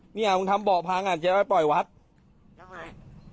เนี่ยมึงทำเบาะพังอ่ะเจ้าจะไปปล่อยวัดเอ้ยเอ้ย